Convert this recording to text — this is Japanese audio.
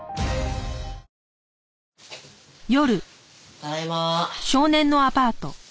ただいま。